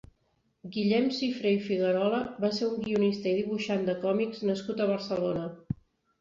Guillem Cifré i Figuerola va ser un guionista i dibuixant de còmics nascut a Barcelona.